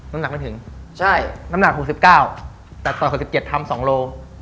น้ำหนักไม่ถึงน้ำหนักถูก๑๙แต่ต่อยขน๑๗ทำ๒โล